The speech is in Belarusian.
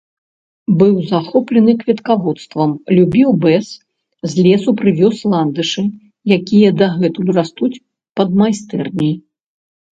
Быў захоплены кветкаводствам, любіў бэз, з лесу прывёз ландышы, якія дагэтуль растуць пад майстэрняй.